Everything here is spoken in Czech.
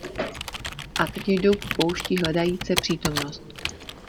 A teď jdou po poušti hledajíce přítomnost.